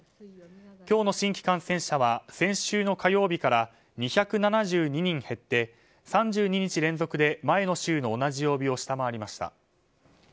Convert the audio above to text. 今日の新規感染者は先週の火曜日から２７２人減って、３２日連続で前の週の同じ曜日を下回りました。